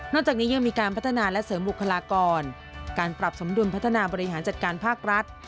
จากนี้ยังมีการพัฒนาและเสริมบุคลากรการปรับสมดุลพัฒนาบริหารจัดการภาครัฐ